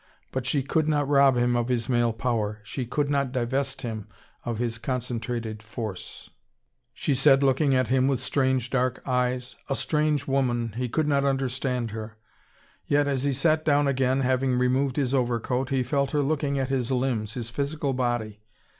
But she could not rob him of his male power, she could not divest him of his concentrated force. "Won't you take off your coat?" she said, looking at him with strange, large dark eyes. A strange woman, he could not understand her. Yet, as he sat down again, having removed his overcoat, he felt her looking at his limbs, his physical body.